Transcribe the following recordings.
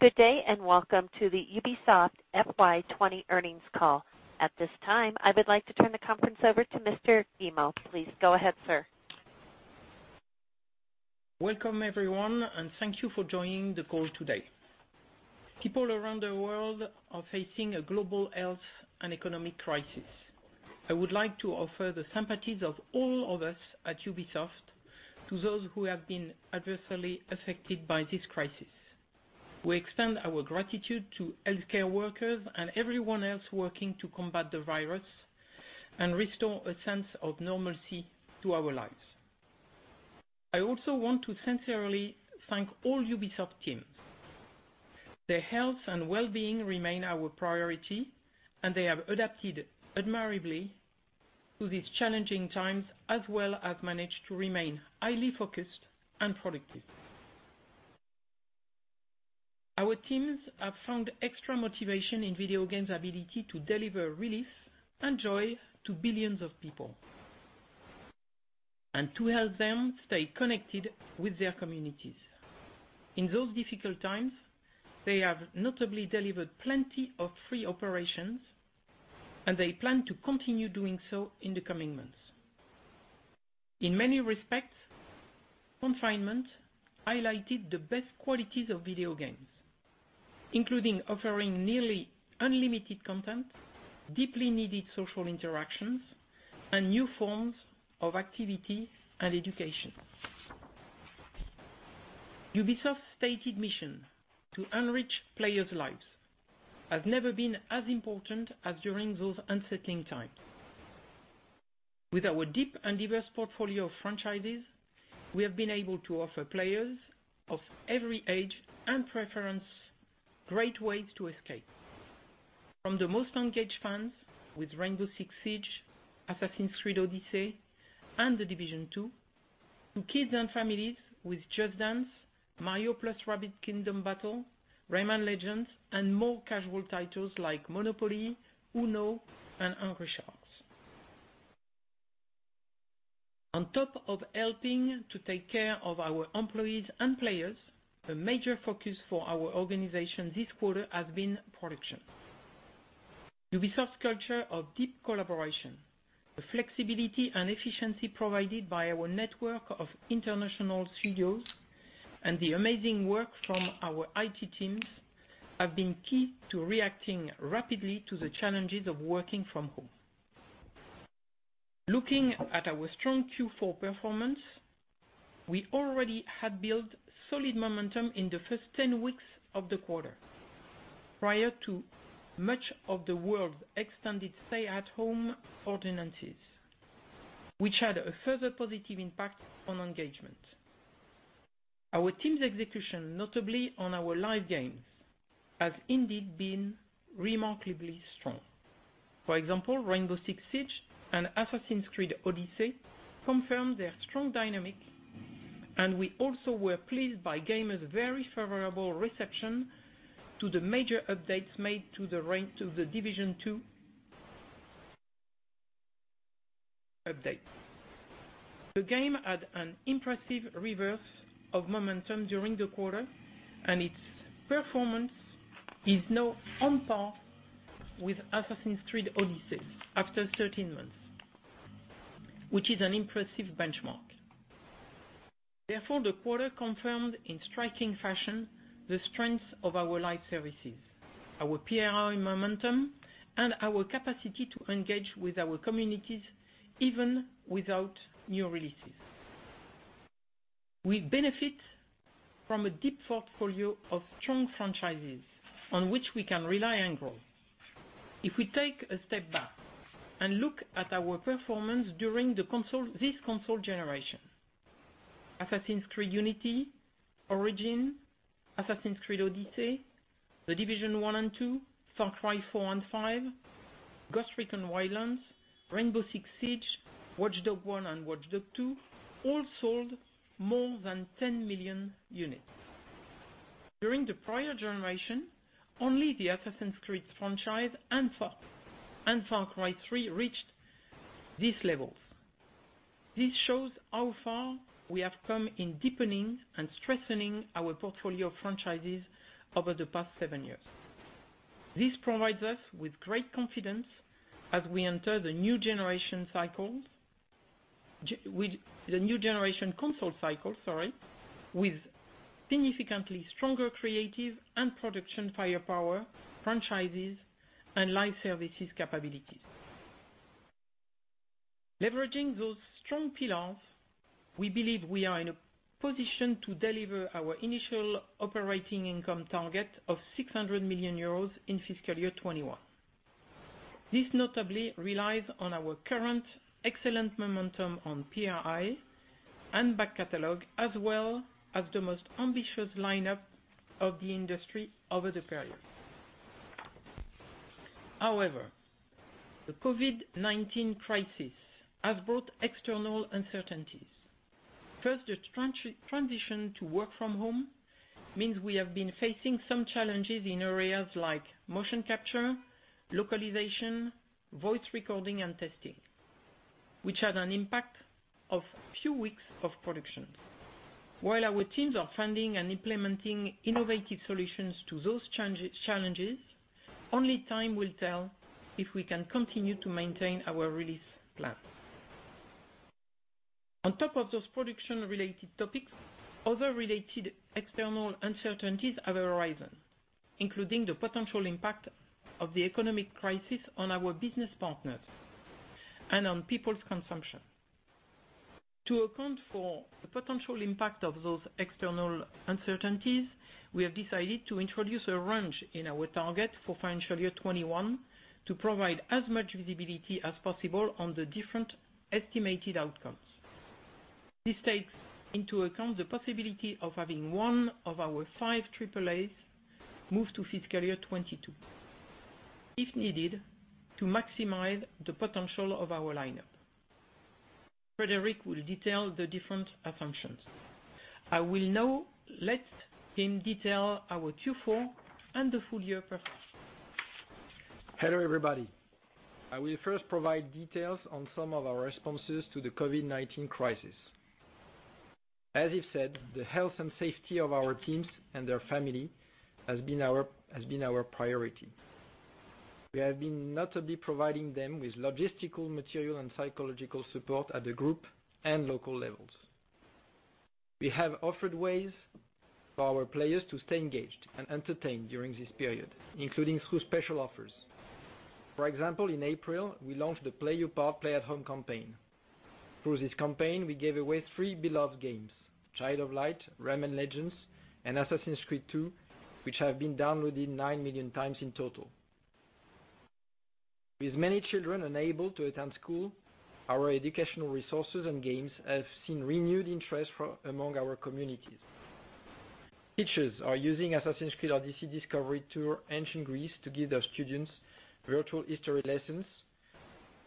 Good day, welcome to the Ubisoft FY 2020 Earnings Call. At this time, I would like to turn the conference over to Mr. Guillemot. Please go ahead, sir. Welcome everyone, and thank you for joining the call today. People around the world are facing a global health and economic crisis. I would like to offer the sympathies of all of us at Ubisoft to those who have been adversely affected by this crisis. We extend our gratitude to healthcare workers and everyone else working to combat the virus and restore a sense of normalcy to our lives. I also want to sincerely thank all Ubisoft teams. Their health and well-being remain our priority, and they have adapted admirably to these challenging times, as well as managed to remain highly focused and productive. Our teams have found extra motivation in video games' ability to deliver release and joy to billions of people, and to help them stay connected with their communities. In those difficult times, they have notably delivered plenty of free operations. They plan to continue doing so in the coming months. In many respects, confinement highlighted the best qualities of video games, including offering nearly unlimited content, deeply needed social interactions, and new forms of activity and education. Ubisoft's stated mission to enrich players' lives has never been as important as during those unsettling times. With our deep and diverse portfolio of franchises, we have been able to offer players of every age and preference, great ways to escape. From the most engaged fans with "Rainbow Six Siege," "Assassin's Creed Odyssey," and "The Division 2," to kids and families with "Just Dance," "Mario + Rabbids Kingdom Battle," "Rayman Legends," and more casual titles like "Monopoly," "UNO," and "Hungry Shark." On top of helping to take care of our employees and players, the major focus for our organization this quarter has been production. Ubisoft's culture of deep collaboration, the flexibility and efficiency provided by our network of international studios, and the amazing work from our IT teams, have been key to reacting rapidly to the challenges of working from home. Looking at our strong Q4 performance, we already had built solid momentum in the first 10 weeks of the quarter, prior to much of the world's extended stay-at-home ordinances, which had a further positive impact on engagement. Our team's execution, notably on our live games, has indeed been remarkably strong. For example, "Rainbow Six Siege" and "Assassin's Creed Odyssey" confirmed their strong dynamic, and we also were pleased by gamers' very favorable reception to the major updates made to "The Division 2" update. The game had an impressive reverse of momentum during the quarter, and its performance is now on par with "Assassin's Creed Odyssey" after 13 months, which is an impressive benchmark. Therefore, the quarter confirmed in striking fashion the strength of our live services, our PRI momentum, and our capacity to engage with our communities even without new releases. We benefit from a deep portfolio of strong franchises on which we can rely on growth. If we take a step back and look at our performance during this console generation, "Assassin's Creed Unity," "Origins," "Assassin's Creed Odyssey," "The Division 1 and 2," "Far Cry 4 and 5," "Ghost Recon Wildlands," "Rainbow Six Siege," "Watch Dogs 1 and Watch Dogs 2," all sold more than 10 million units. During the prior generation, only the "Assassin's Creed" franchise, and "Far Cry 3" reached these levels. This shows how far we have come in deepening and strengthening our portfolio of franchises over the past seven years. This provides us with great confidence as we enter the new generation console cycle, with significantly stronger creative and production firepower, franchises, and live services capabilities. Leveraging those strong pillars, we believe we are in a position to deliver our initial operating income target of 600 million euros in fiscal year 2021. This notably relies on our current excellent momentum on PRI and back catalog, as well as the most ambitious lineup of the industry over the period. The COVID-19 crisis has brought external uncertainties. The transition to work from home means we have been facing some challenges in areas like motion capture, localization, voice recording, and testing, which had an impact of few weeks of production. Our teams are finding and implementing innovative solutions to those challenges, only time will tell if we can continue to maintain our release plan. On top of those production-related topics, other related external uncertainties are arising, including the potential impact of the economic crisis on our business partners and on people's consumption. To account for the potential impact of those external uncertainties, we have decided to introduce a range in our target for financial year 2021 to provide as much visibility as possible on the different estimated outcomes. This takes into account the possibility of having one of our 5 AAAs move to fiscal year 2022, if needed, to maximize the potential of our lineup. Frédérick will detail the different assumptions. I will now let him detail our Q4 and the full-year performance. Hello, everybody. I will first provide details on some of our responses to the COVID-19 crisis. As Yves said, the health and safety of our teams and their family has been our priority. We have been notably providing them with logistical material and psychological support at the group and local levels. We have offered ways for our players to stay engaged and entertained during this period, including through special offers. For example, in April, we launched the Play Your Part, Play at Home campaign. Through this campaign, we gave away three beloved games, "Child of Light," "Rayman Legends," and "Assassin's Creed II," which have been downloaded 9 million times in total. With many children unable to attend school, our educational resources and games have seen renewed interest among our communities. Teachers are using "Assassin's Creed Odyssey Discovery Tour: Ancient Greece" to give their students virtual history lessons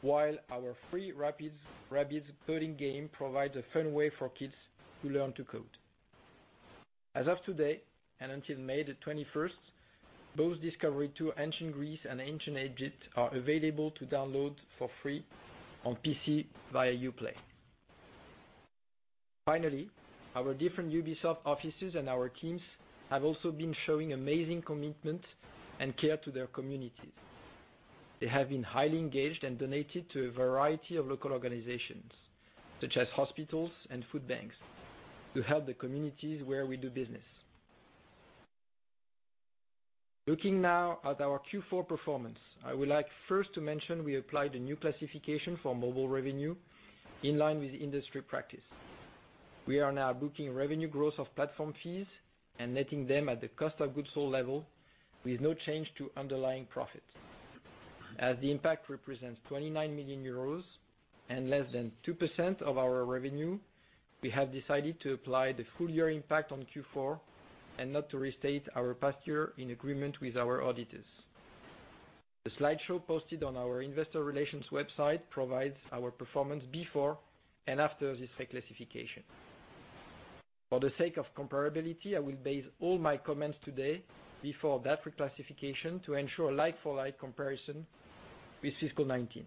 while our free "Rabbids" coding game provides a fun way for kids to learn to code. As of today, and until May the 21st, both Discovery Tour: Ancient Greece and Ancient Egypt are available to download for free on PC via Uplay. Our different Ubisoft offices and our teams have also been showing amazing commitment and care to their communities. They have been highly engaged and donated to a variety of local organizations, such as hospitals and food banks, to help the communities where we do business. Looking now at our Q4 performance, I would like first to mention we applied a new classification for mobile revenue in line with industry practice. We are now booking revenue gross of platform fees and netting them at the cost of goods sold level with no change to underlying profits. As the impact represents 29 million euros and less than 2% of our revenue, we have decided to apply the full-year impact on Q4 and not to restate our past year in agreement with our auditors. The slideshow posted on our investor relations website provides our performance before and after this reclassification. For the sake of comparability, I will base all my comments today before that reclassification to ensure a like-for-like comparison with fiscal 2019.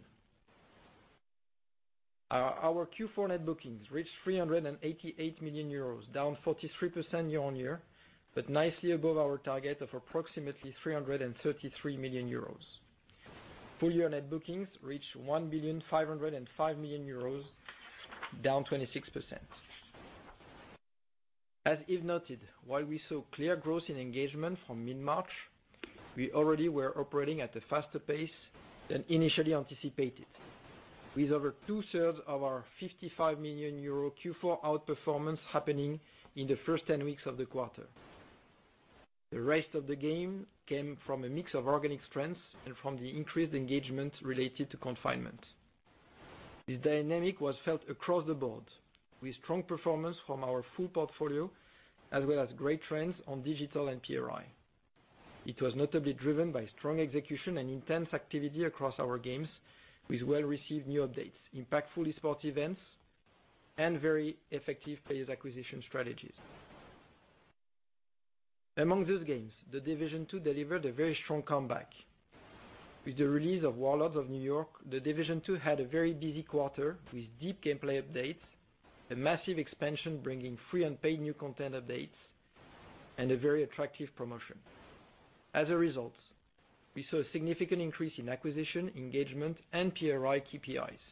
Our Q4 net bookings reached 388 million euros, down 43% year-on-year, but nicely above our target of approximately 333 million euros. Full-year net bookings reached 1.505 billion euros, down 26%. As Yves noted, while we saw clear growth in engagement from mid-March, we already were operating at a faster pace than initially anticipated. With over 2/3 of our 55 million euro Q4 outperformance happening in the first 10 weeks of the quarter. The rest of the gain came from a mix of organic strengths and from the increased engagement related to confinement. This dynamic was felt across the board with strong performance from our full portfolio as well as great trends on digital and PRI. It was notably driven by strong execution and intense activity across our games with well-received new updates, impactful esports events, and very effective players acquisition strategies. Among those games, The Division 2 delivered a very strong comeback. With the release of Warlords of New York, The Division 2 had a very busy quarter with deep gameplay updates, a massive expansion bringing free and paid new content updates, and a very attractive promotion. As a result, we saw a significant increase in acquisition, engagement, and PRI KPIs.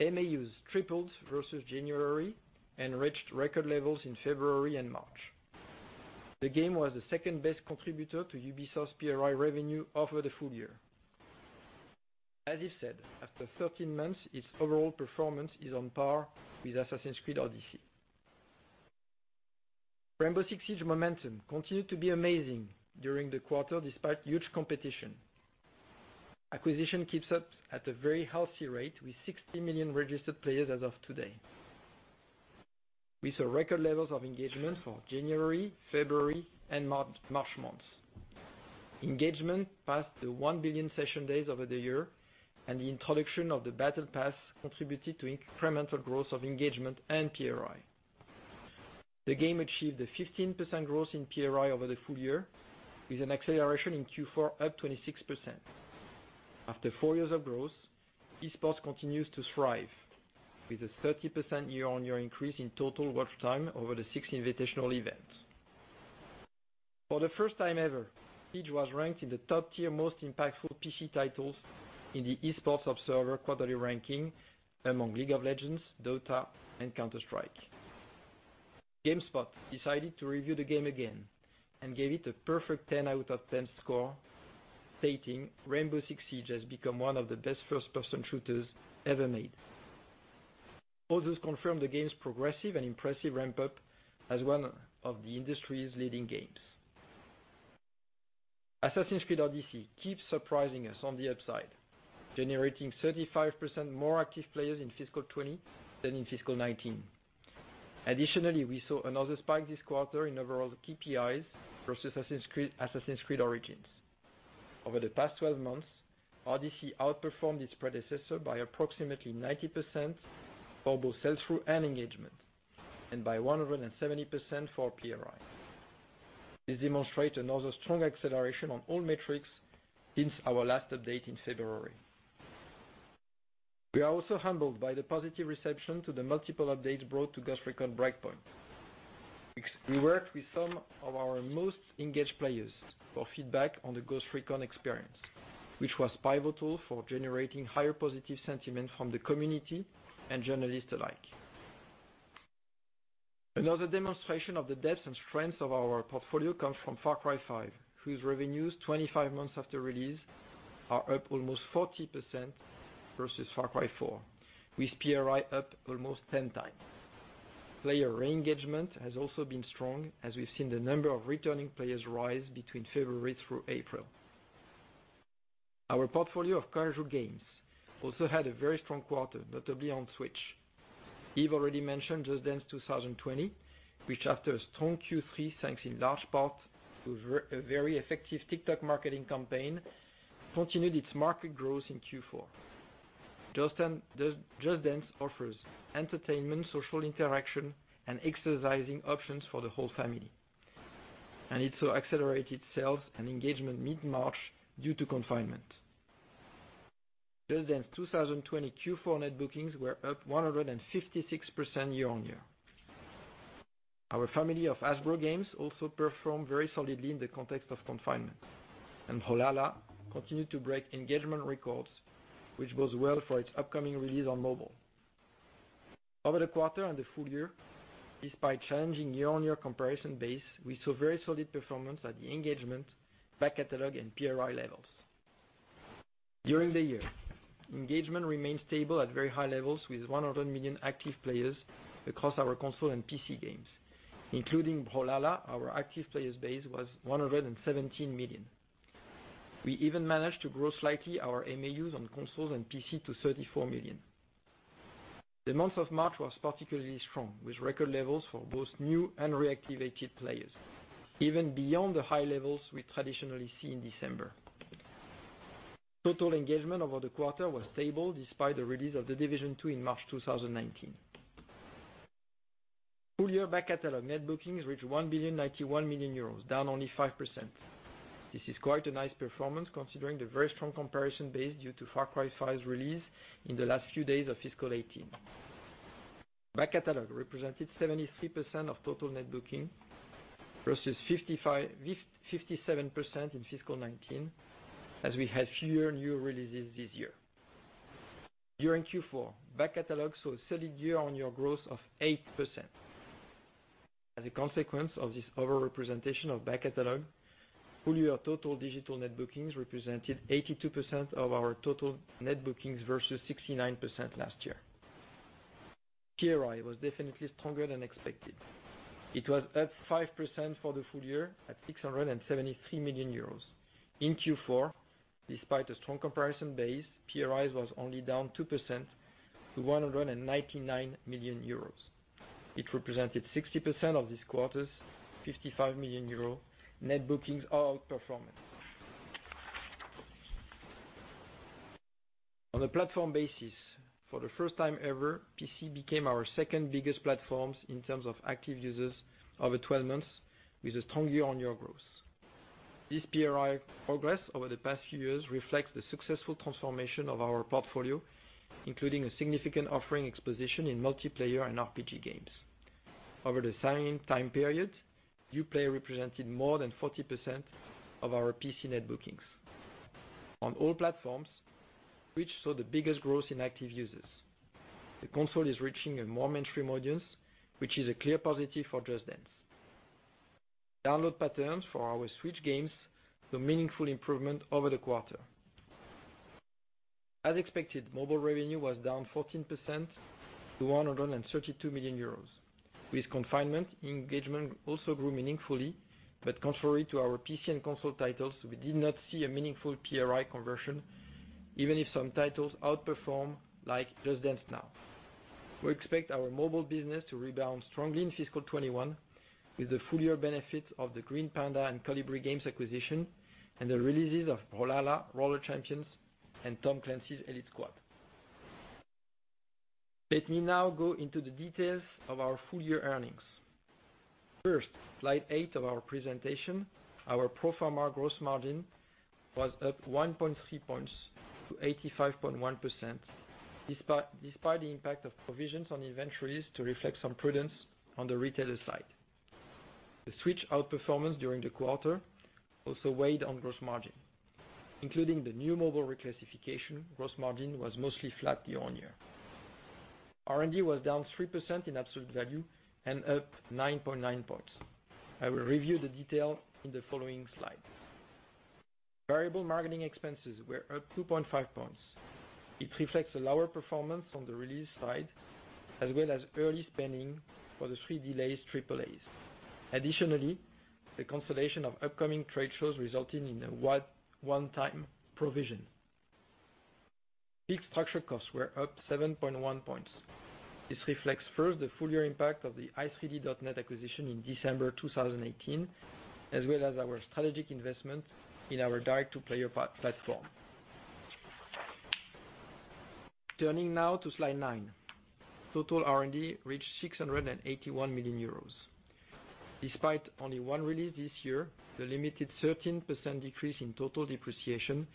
MAUs tripled versus January and reached record levels in February and March. The game was the second-best contributor to Ubisoft's PRI revenue over the full-year. As Yves said, after 13 months, its overall performance is on par with Assassin's Creed Odyssey. Rainbow Six Siege momentum continued to be amazing during the quarter despite huge competition. Acquisition keeps up at a very healthy rate with 60 million registered players as of today. We saw record levels of engagement for January, February, and March months. Engagement passed the 1 billion session days over the year, and the introduction of the battle pass contributed to incremental growth of engagement and PRI. The game achieved a 15% growth in PRI over the full-year, with an acceleration in Q4 up 26%. After four years of growth, esports continues to thrive, with a 30% year-on-year increase in total watch time over the Six Invitational events. For the first time ever, Siege was ranked in the top tier most impactful PC titles in the Esports Observer quarterly ranking among "League of Legends," "Dota," and "Counter-Strike." GameSpot decided to review the game again and gave it a perfect 10 out of 10 score, stating, "Rainbow Six Siege has become one of the best first-person shooters ever made." Others confirmed the game's progressive and impressive ramp-up as one of the industry's leading games. "Assassin's Creed Odyssey" keeps surprising us on the upside, generating 35% more active players in fiscal 2020 than in fiscal 2019. Additionally, we saw another spike this quarter in overall KPIs versus "Assassin's Creed Origins." Over the past 12 months, Odyssey outperformed its predecessor by approximately 90% for both sell-through and engagement, and by 170% for PRI. This demonstrates another strong acceleration on all metrics since our last update in February. We are also humbled by the positive reception to the multiple updates brought to "Ghost Recon Breakpoint." We worked with some of our most engaged players for feedback on the Ghost Recon experience, which was pivotal for generating higher positive sentiment from the community and journalists alike. Another demonstration of the depth and strength of our portfolio comes from "Far Cry 5," whose revenues 25 months after release are up almost 40% versus "Far Cry 4," with PRI up almost 10 times. Player re-engagement has also been strong as we've seen the number of returning players rise between February through April. Our portfolio of casual games also had a very strong quarter, notably on Switch. Yves already mentioned "Just Dance 2020," which after a strong Q3, thanks in large part to a very effective TikTok marketing campaign, continued its market growth in Q4. Just Dance" offers entertainment, social interaction, and exercising options for the whole family. It saw accelerated sales and engagement mid-March due to confinement. "Just Dance 2020" Q4 net bookings were up 156% year-on-year. Our family of Hasbro games also performed very solidly in the context of confinement. "Brawlhalla" continued to break engagement records, which bodes well for its upcoming release on mobile. Over the quarter and the full year, despite challenging year-on-year comparison base, we saw very solid performance at the engagement, back catalog, and PRI levels. During the year, engagement remained stable at very high levels with 100 million active players across our console and PC games. Including "Brawlhalla," our active players base was 117 million. We even managed to grow slightly our MAUs on consoles and PC to 34 million. The month of March was particularly strong, with record levels for both new and reactivated players, even beyond the high levels we traditionally see in December. Total engagement over the quarter was stable despite the release of The Division 2 in March 2019. Full-year back catalog net bookings reached 1,091 million euros, down only 5%. This is quite a nice performance considering the very strong comparison base due to Far Cry 5's release in the last few days of fiscal 2018. Back catalog represented 73% of total net booking versus 57% in fiscal 2019, as we had fewer new releases this year. During Q4, back catalog saw a solid year-on-year growth of 8%. As a consequence of this over-representation of back catalog, full-year total digital net bookings represented 82% of our total net bookings versus 69% last year. PRI was definitely stronger than expected. It was up 5% for the full year at 673 million euros. In Q4, despite a strong comparison base, PRI was only down 2% to 199 million euros. It represented 60% of this quarter's 55 million euros net bookings out-performance. On a platform basis, for the first time ever, PC became our second-biggest platform in terms of active users over 12 months with a strong year-on-year growth. This PRI progress over the past few years reflects the successful transformation of our portfolio, including a significant offering exposition in multiplayer and RPG games. Over the same time period, new player represented more than 40% of our PC net bookings. On all platforms, which saw the biggest growth in active users, the console is reaching a more mainstream audience, which is a clear positive for Just Dance. Download patterns for our Switch games saw meaningful improvement over the quarter. As expected, mobile revenue was down 14% to 132 million euros. With confinement, engagement also grew meaningfully, but contrary to our PC and console titles, we did not see a meaningful PRI conversion, even if some titles outperformed, like "Just Dance Now." We expect our mobile business to rebound strongly in fiscal 2021 with the full-year benefit of the Green Panda and Kolibri Games acquisition and the releases of "Brawlhalla," "Roller Champions," and "Tom Clancy's Elite Squad." Let me now go into the details of our full year earnings. First, slide eight of our presentation, our pro forma gross margin was up 1.3 points to 85.1%, despite the impact of provisions on inventories to reflect some prudence on the retailer side. The Switch outperformance during the quarter also weighed on gross margin. Including the new mobile reclassification, gross margin was mostly flat year-on-year. R&D was down 3% in absolute value and up 9.9 points. I will review the detail in the following slide. Variable marketing expenses were up 2.5 points. It reflects a lower performance on the release side, as well as early spending for the 3 delayed AAA. Additionally, the cancellation of upcoming trade shows resulting in a one-time provision. Fixed structure costs were up 7.1 points. This reflects first the full year impact of the i3D.net acquisition in December 2018, as well as our strategic investment in our direct to player platform. Turning now to slide nine. Total R&D reached 681 million euros. Despite only one release this year, the limited 13% decrease in total depreciation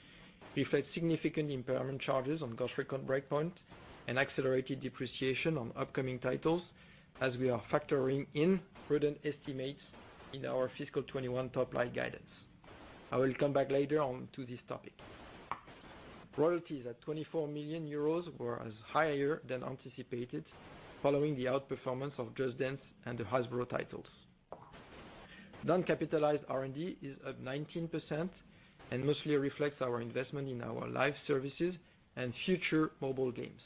reflects significant impairment charges on Ghost Recon Breakpoint and accelerated depreciation on upcoming titles as we are factoring in prudent estimates in our fiscal 2021 top line guidance. I will come back later on to this topic. Royalties at 24 million euros were higher than anticipated, following the outperformance of Just Dance and the Hasbro titles. Non-capitalized R&D is up 19% and mostly reflects our investment in our live services and future mobile games.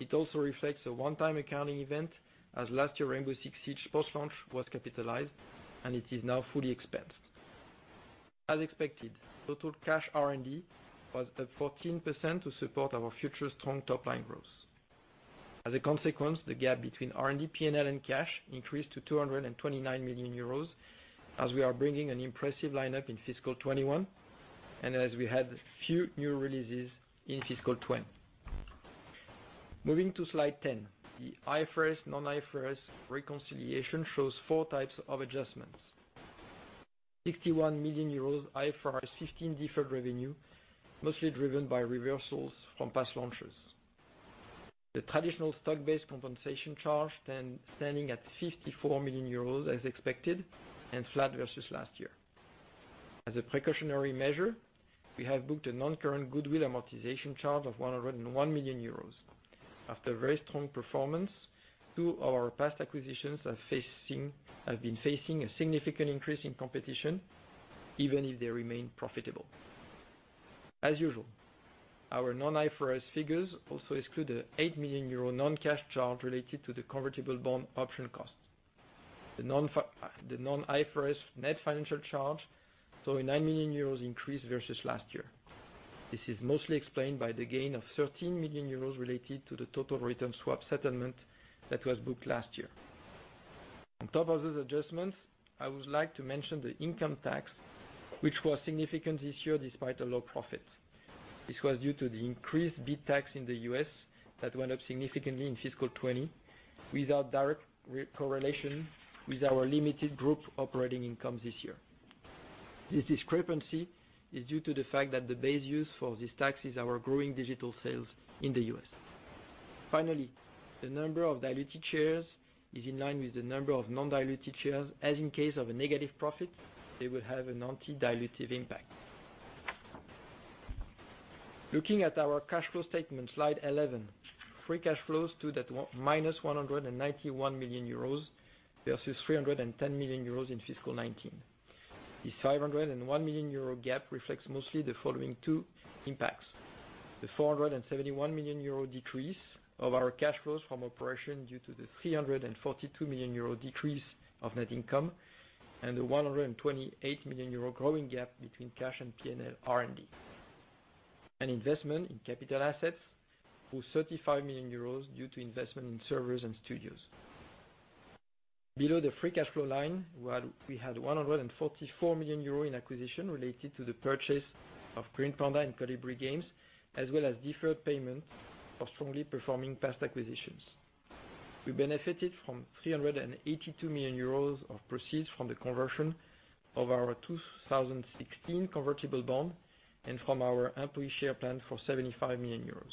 It also reflects a one-time accounting event as last year Rainbow Six Siege post-launch was capitalized, and it is now fully expensed. As expected, total cash R&D was up 14% to support our future strong top line growth. As a consequence, the gap between R&D P&L and cash increased to 229 million euros as we are bringing an impressive lineup in FY 2021, and as we had few new releases in FY 2020. Moving to slide 10, the IFRS, non-IFRS reconciliation shows four types of adjustments. 61 million euros IFRS 15 deferred revenue, mostly driven by reversals from past launches. The traditional stock-based compensation charge standing at 54 million euros as expected and flat versus last year. As a precautionary measure, we have booked a non-current goodwill amortization charge of 101 million euros. After a very strong performance, two of our past acquisitions have been facing a significant increase in competition, even if they remain profitable. As usual, our non-IFRS figures also exclude the 8 million euro non-cash charge related to the convertible bond option cost. The non-IFRS net financial charge saw a 9 million euros increase versus last year. This is mostly explained by the gain of 13 million euros related to the total return swap settlement that was booked last year. On top of those adjustments, I would like to mention the income tax, which was significant this year despite a low profit. This was due to the increased BEAT tax in the U.S. that went up significantly in fiscal 2020, without direct correlation with our limited group operating income this year. This discrepancy is due to the fact that the base use for this tax is our growing digital sales in the U.S. Finally, the number of diluted shares is in line with the number of non-diluted shares, as in case of a negative profit, they will have an anti-dilutive impact. Looking at our cash flow statement, slide 11. Free cash flows stood at minus 191 million euros versus 310 million euros in fiscal 2019. This 501 million euro gap reflects mostly the following two impacts: The 471 million euro decrease of our cash flows from operation due to the 342 million euro decrease of net income, and the 128 million euro growing gap between cash and P&L R&D. An investment in capital assets of 35 million euros due to investment in servers and studios. Below the free cash flow line, we had 144 million euro in acquisition related to the purchase of Green Panda and Kolibri Games, as well as deferred payments of strongly performing past acquisitions. We benefited from 382 million euros of proceeds from the conversion of our 2016 convertible bond and from our employee share plan for 75 million euros,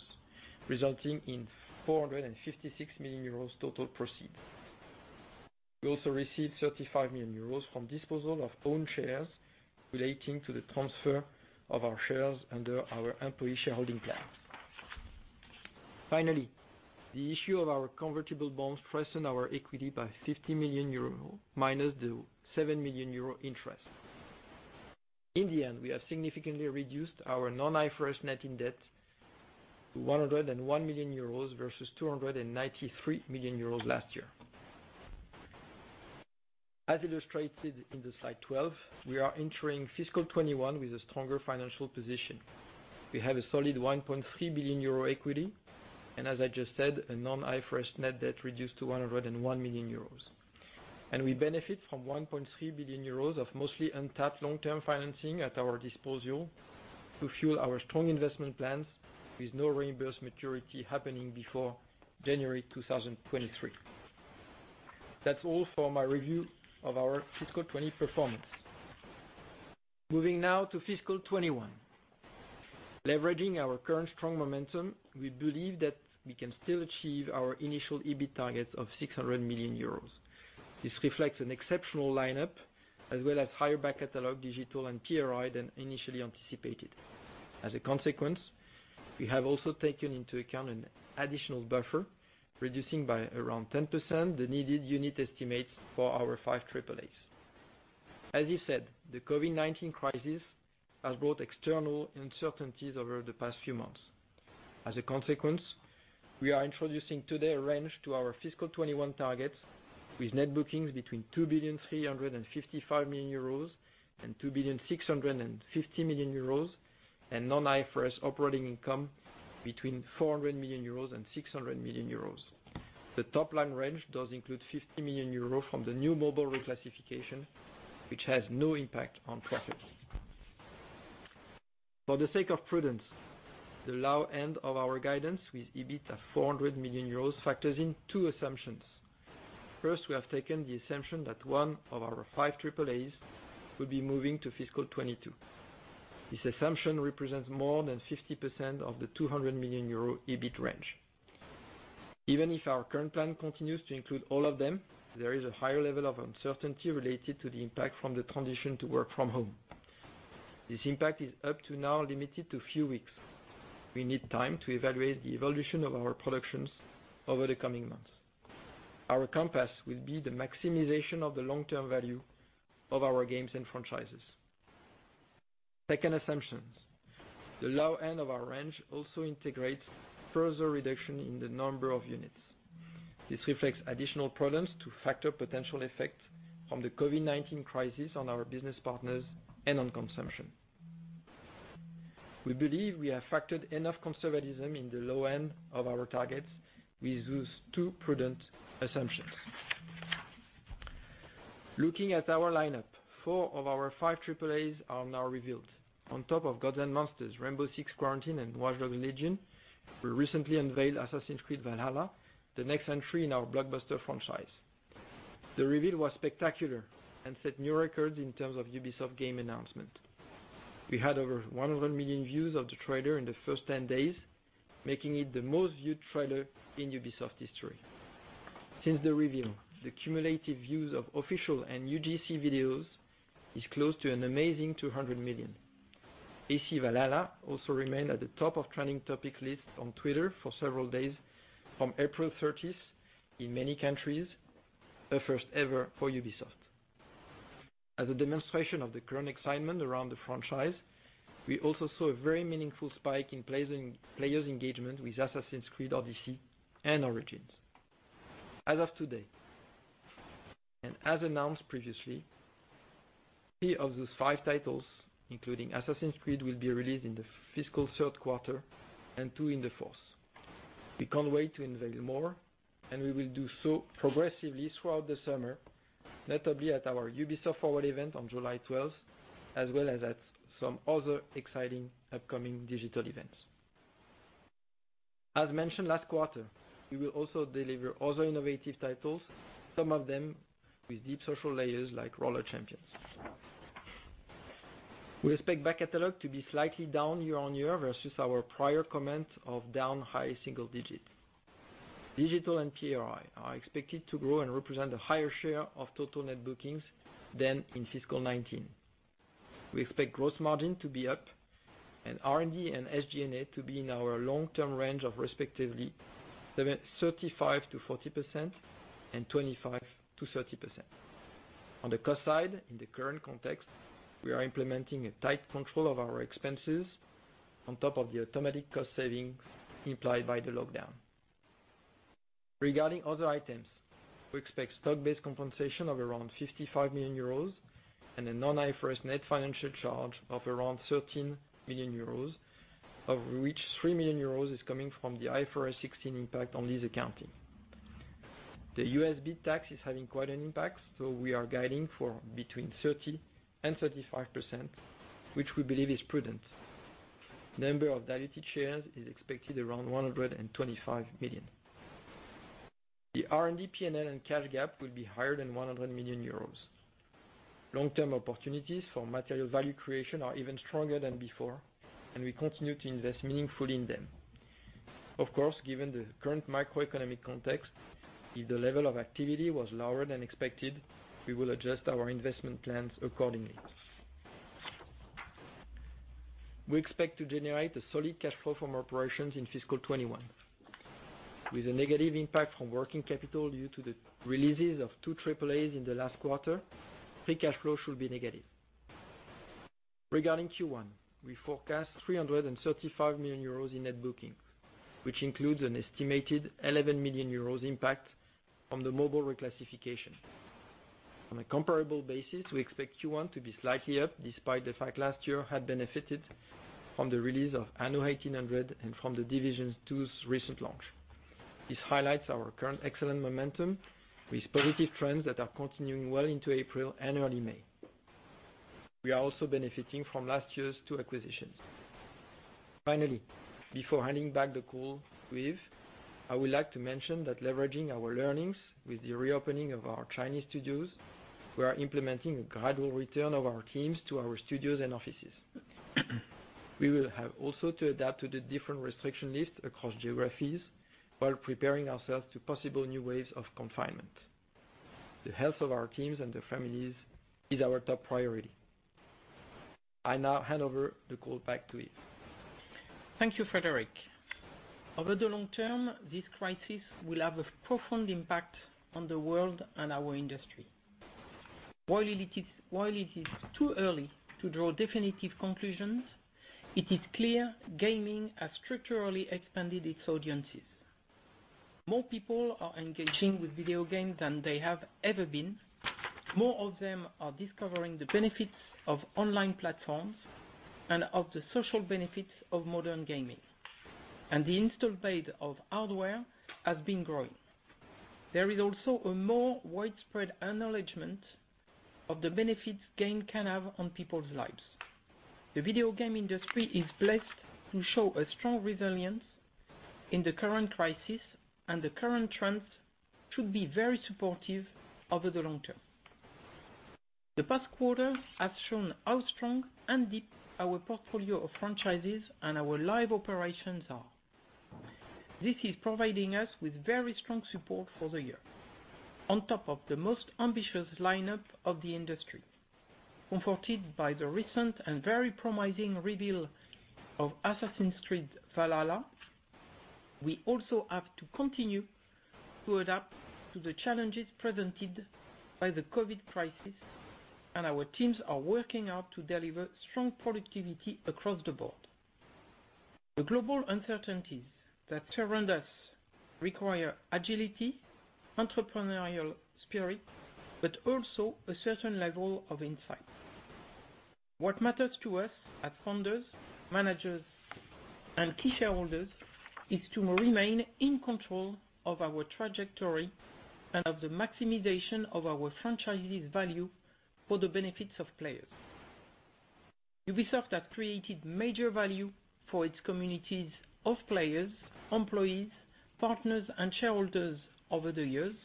resulting in 456 million euros total proceeds. We also received 35 million euros from disposal of own shares relating to the transfer of our shares under our employee shareholding plan. The issue of our convertible bonds strengthened our equity by 50 million euro, minus the 7 million euro interest. We have significantly reduced our non-IFRS net debt to 101 million euros versus 293 million euros last year. As illustrated in the slide 12, we are entering fiscal 2021 with a stronger financial position. We have a solid 1.3 billion euro equity, and as I just said, a non-IFRS net debt reduced to 101 million euros. We benefit from 1.3 billion euros of mostly untapped long-term financing at our disposal to fuel our strong investment plans with no reimbursed maturity happening before January 2023. That's all for my review of our fiscal 2020 performance. Moving now to fiscal 2021. Leveraging our current strong momentum, we believe that we can still achieve our initial EBIT targets of 600 million euros. This reflects an exceptional lineup as well as higher back catalog digital and PRI than initially anticipated. As a consequence, we have also taken into account an additional buffer, reducing by around 10% the needed unit estimates for our 5 AAAs. As we said, the COVID-19 crisis has brought external uncertainties over the past few months. As a consequence, we are introducing today a range to our fiscal 2021 targets with net bookings between 2.355 billion and 2.65 billion and non-IFRS operating income between 400 million euros and 600 million euros. The top-line range does include 50 million euros from the new mobile reclassification, which has no impact on traffic. For the sake of prudence, the low end of our guidance with EBIT at 400 million euros factors in two assumptions. First, we have taken the assumption that one of our 5 AAAs will be moving to fiscal 2022. This assumption represents more than 50% of the 200 million euro EBIT range. Even if our current plan continues to include all of them, there is a higher level of uncertainty related to the impact from the transition to work from home. This impact is up to now limited to few weeks. We need time to evaluate the evolution of our productions over the coming months. Our compass will be the maximization of the long-term value of our games and franchises. Second assumption, the low end of our range also integrates further reduction in the number of units. This reflects additional prudence to factor potential effects from the COVID-19 crisis on our business partners and on consumption. We believe we have factored enough conservatism in the low end of our targets with those two prudent assumptions. Looking at our lineup, four of our five AAAs are now revealed. On top of "Gods & Monsters," "Rainbow Six Quarantine," and "Watch Dogs: Legion," we recently unveiled "Assassin's Creed Valhalla," the next entry in our blockbuster franchise. The reveal was spectacular and set new records in terms of Ubisoft game announcement. We had over 100 million views of the trailer in the first 10 days, making it the most-viewed trailer in Ubisoft history. Since the reveal, the cumulative views of official and UGC videos is close to an amazing 200 million. AC Valhalla also remained at the top of trending topic lists on Twitter for several days from April 30th in many countries, a first ever for Ubisoft. As a demonstration of the current excitement around the franchise, we also saw a very meaningful spike in players' engagement with Assassin's Creed Odyssey and Origins. As of today, and as announced previously, three of those five titles, including Assassin's Creed, will be released in the fiscal third quarter and two in the fourth. We can't wait to unveil more, and we will do so progressively throughout the summer, notably at our Ubisoft Forward event on July 12th, as well as at some other exciting upcoming digital events. As mentioned last quarter, we will also deliver other innovative titles, some of them with deep social layers like "Roller Champions." We expect back catalog to be slightly down year-on-year versus our prior comment of down high single digit. Digital and PRI are expected to grow and represent a higher share of total net bookings than in fiscal 2019. We expect gross margin to be up and R&D and SG&A to be in our long-term range of respectively 35%-40% and 25%-30%. On the cost side, in the current context, we are implementing a tight control of our expenses on top of the automatic cost savings implied by the lockdown. Regarding other items, we expect stock-based compensation of around 55 million euros and a non-IFRS net financial charge of around 13 million euros, of which 3 million euros is coming from the IFRS 16 impact on lease accounting. The USD tax is having quite an impact, so we are guiding for between 30%-35%, which we believe is prudent. Number of diluted shares is expected around 125 million. The R&D P&L and cash gap will be higher than 100 million euros. Long-term opportunities for material value creation are even stronger than before, and we continue to invest meaningfully in them. Of course, given the current macroeconomic context, if the level of activity was lower than expected, we would adjust our investment plans accordingly. We expect to generate a solid cash flow from operations in fiscal 2021. With a negative impact from working capital due to the releases of two AAAs in the last quarter, free cash flow should be negative. Regarding Q1, we forecast 335 million euros in net booking, which includes an estimated 11 million euros impact on the mobile reclassification. On a comparable basis, we expect Q1 to be slightly up despite the fact last year had benefited from the release of Anno 1800 and from the Division 2's recent launch. This highlights our current excellent momentum with positive trends that are continuing well into April and early May. We are also benefiting from last year's two acquisitions. Finally, before handing back the call with Yves, I would like to mention that leveraging our learnings with the reopening of our Chinese studios, we are implementing a gradual return of our teams to our studios and offices. We will have also to adapt to the different restriction lifts across geographies while preparing ourselves to possible new waves of confinement. The health of our teams and their families is our top priority. I now hand over the call back to Yves. Thank you, Frédérick. Over the long term, this crisis will have a profound impact on the world and our industry. While it is too early to draw definitive conclusions, it is clear gaming has structurally expanded its audiences. More people are engaging with video games than they have ever been. More of them are discovering the benefits of online platforms and of the social benefits of modern gaming, and the install base of hardware has been growing. There is also a more widespread acknowledgment of the benefits games can have on people's lives. The video game industry is blessed to show a strong resilience in the current crisis, and the current trends should be very supportive over the long term. The past quarter has shown how strong and deep our portfolio of franchises and our live operations are. This is providing us with very strong support for the year, on top of the most ambitious lineup of the industry. Comforted by the recent and very promising reveal of "Assassin's Creed Valhalla," we also have to continue to adapt to the challenges presented by the COVID crisis, and our teams are working hard to deliver strong productivity across the board. The global uncertainties that surround us require agility, entrepreneurial spirit, but also a certain level of insight. What matters to us as founders, managers, and key shareholders is to remain in control of our trajectory and of the maximization of our franchises' value for the benefits of players. Ubisoft has created major value for its communities of players, employees, partners, and shareholders over the years.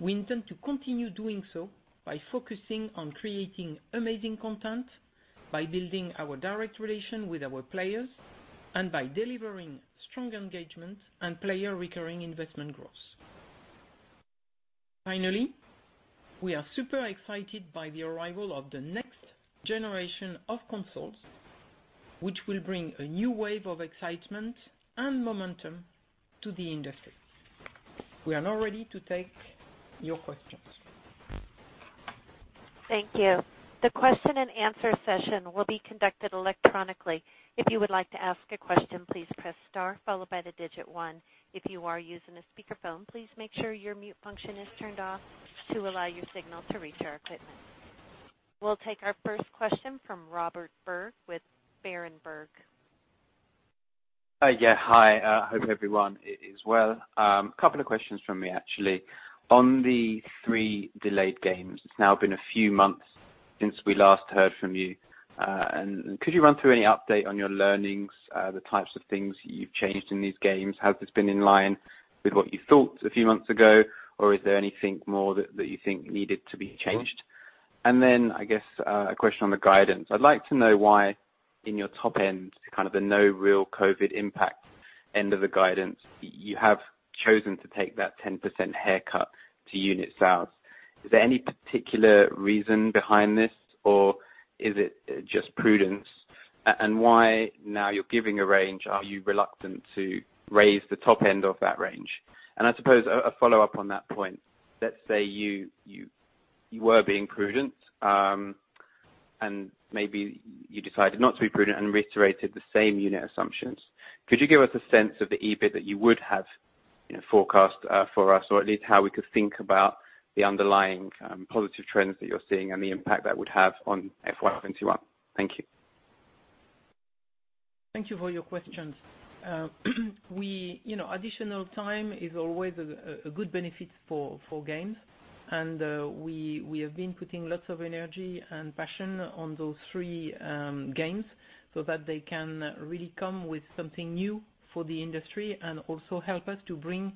We intend to continue doing so by focusing on creating amazing content, by building our direct relation with our players, and by delivering strong engagement and player recurring investment growth. Finally, we are super excited by the arrival of the next generation of consoles, which will bring a new wave of excitement and momentum to the industry. We are now ready to take your questions. Thank you. The question and answer session will be conducted electronically. If you would like to ask a question, please press star followed by the digit one. If you are using a speakerphone, please make sure your mute function is turned off to allow your signal to reach our equipment. We will take our first question from Robert Berg with Berenberg. Yeah. Hi, hope everyone is well. Couple of questions from me, actually. On the three delayed games, it's now been a few months since we last heard from you. Could you run through any update on your learnings, the types of things you've changed in these games? Has this been in line with what you thought a few months ago, or is there anything more that you think needed to be changed? Then, I guess, a question on the guidance. I'd like to know why in your top end, kind of the no real COVID impact end of the guidance, you have chosen to take that 10% haircut to unit sales. Is there any particular reason behind this, or is it just prudence? Why now you're giving a range, are you reluctant to raise the top end of that range? I suppose a follow-up on that point, let's say you were being prudent, and maybe you decided not to be prudent and reiterated the same unit assumptions. Could you give us a sense of the EBIT that you would have forecast for us, or at least how we could think about the underlying positive trends that you're seeing and the impact that would have on FY 2021? Thank you. Thank you for your questions. Additional time is always a good benefit for games, and we have been putting lots of energy and passion on those three games so that they can really come with something new for the industry and also help us to bring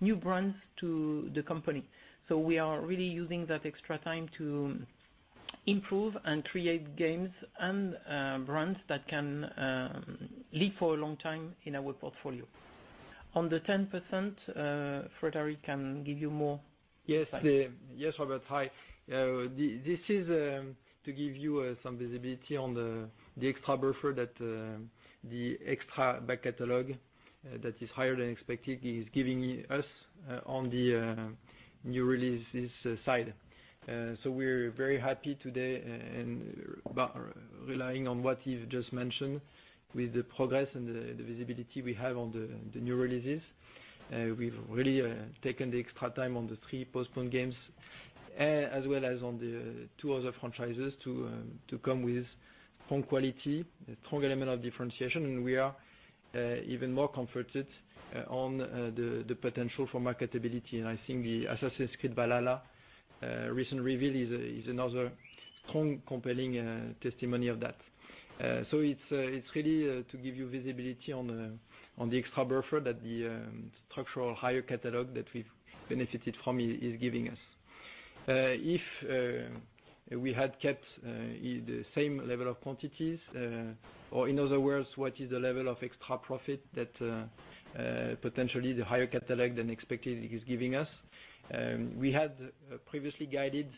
new brands to the company. We are really using that extra time to improve and create games and brands that can live for a long time in our portfolio. On the 10%, Frédérick can give you more insight. Yes, Robert. Hi. This is to give you some visibility on the extra buffer that the extra back catalog that is higher than expected is giving us on the new releases side. We're very happy today and relying on what Yves just mentioned with the progress and the visibility we have on the new releases. We've really taken the extra time on the three postponed games as well as on the two other franchises to come with strong quality, a strong element of differentiation, and we are even more comforted on the potential for marketability. I think the Assassin's Creed Valhalla recent reveal is another strong, compelling testimony of that. It's really to give you visibility on the extra buffer that the structural higher catalog that we've benefited from is giving us. If we had kept the same level of quantities or in other words, what is the level of extra profit that potentially the higher catalog than expected is giving us? We had previously guided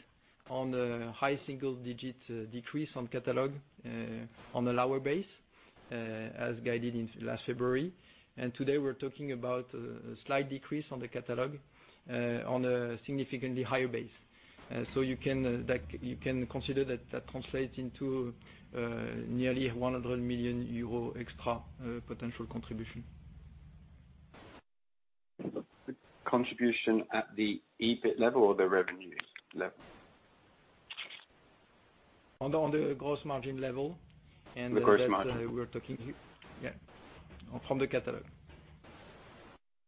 on the high single-digit decrease on catalog on a lower base, as guided in last February. Today we're talking about a slight decrease on the catalog on a significantly higher base. You can consider that translates into nearly 100 million euro extra potential contribution. Contribution at the EBIT level or the revenues level? On the gross margin level. The gross margin. That we're talking here. Yeah. From the catalog.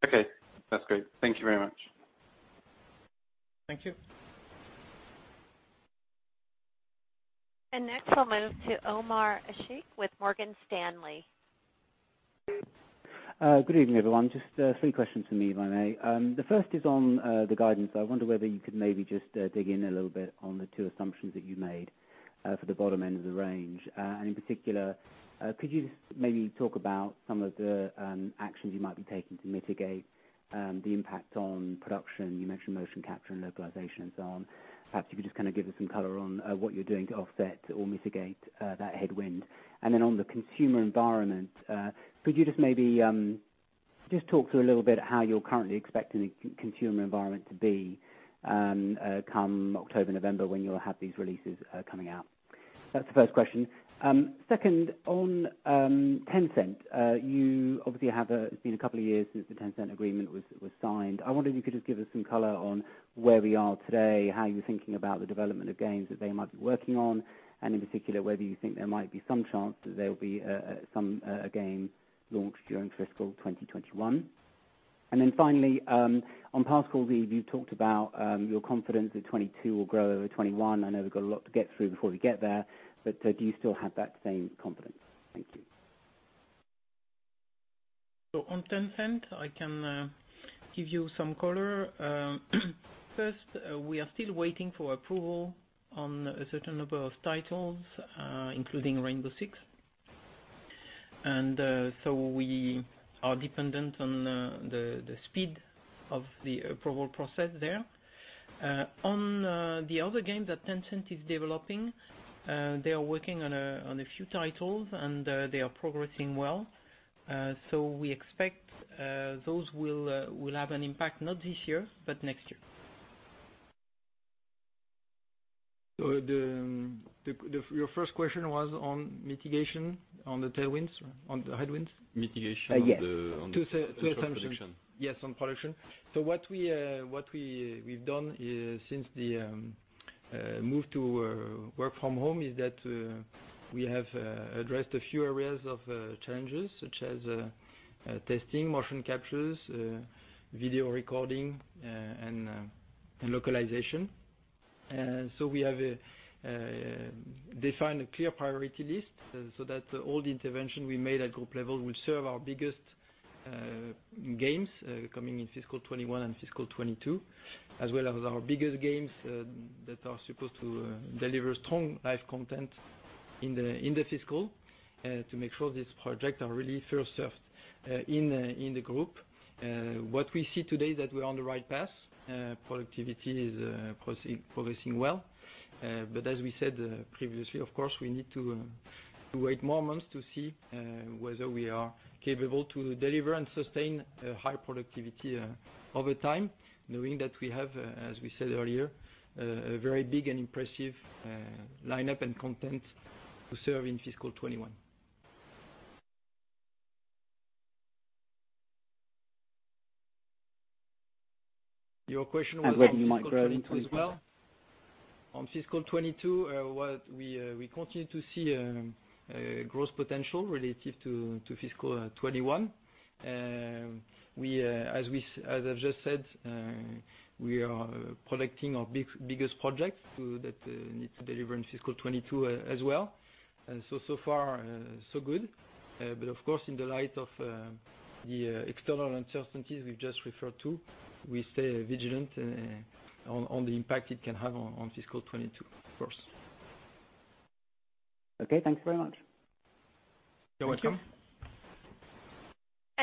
Okay. That's great. Thank you very much. Thank you. Next we'll move to Omar Sheikh with Morgan Stanley. Good evening, everyone. Just three questions for me, if I may. The first is on the guidance. I wonder whether you could maybe just dig in a little bit on the two assumptions that you made for the bottom end of the range. In particular, could you just maybe talk about some of the actions you might be taking to mitigate the impact on production? You mentioned motion capture and localization and so on. Perhaps you could just kind of give us some color on what you're doing to offset or mitigate that headwind. Then on the consumer environment, could you just maybe talk through a little bit how you're currently expecting the consumer environment to be come October, November, when you'll have these releases coming out? That's the first question. Second, on Tencent. It's been a couple of years since the Tencent agreement was signed. I wonder if you could just give us some color on where we are today, how you're thinking about the development of games that they might be working on, and in particular, whether you think there might be some chance that there'll be a game launched during fiscal 2021. Finally, on past calls, you've talked about your confidence that 2022 will grow over 2021. I know we've got a lot to get through before we get there. Do you still have that same confidence? Thank you. On Tencent, I can give you some color. First, we are still waiting for approval on a certain number of titles, including Rainbow Six. We are dependent on the speed of the approval process there. On the other games that Tencent is developing, they are working on a few titles and they are progressing well. We expect those will have an impact, not this year, but next year. Your first question was on mitigation on the headwinds? Yes. Two assumptions. On production. Yes, on production. What we've done since the move to work from home is that we have addressed a few areas of challenges, such as testing, motion captures, video recording, and localization. We have defined a clear priority list so that all the intervention we made at group level will serve our biggest games coming in fiscal 2021 and fiscal 2022, as well as our biggest games that are supposed to deliver strong live content in the fiscal to make sure these projects are really first served in the group. What we see today that we're on the right path. Productivity is progressing well. As we said previously, of course, we need to wait more months to see whether we are capable to deliver and sustain a high productivity over time, knowing that we have, as we said earlier, a very big and impressive lineup and content to serve in fiscal 2021. Your question was on fiscal 2022 as well? Whether you might grow in 2022. On fiscal 2022, we continue to see growth potential relative to fiscal 2021. As I've just said, we are protecting our biggest projects that need to deliver in fiscal 2022 as well. So far so good. Of course, in the light of the external uncertainties we've just referred to, we stay vigilant on the impact it can have on fiscal 2022, of course. Okay, thanks very much. You're welcome.